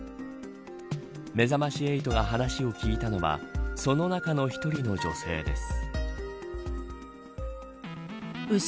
めざまし８が話を聞いたのはその中の１人の女性です。